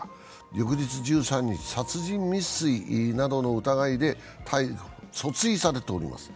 翌日１３日、殺人未遂などの疑いで訴追されております。